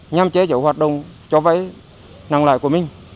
nhằm chế chở hoạt động cho vay nặng lại của mình